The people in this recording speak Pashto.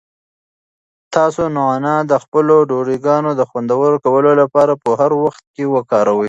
تاسو نعناع د خپلو ډوډۍګانو د خوندور کولو لپاره په هر وخت وکاروئ.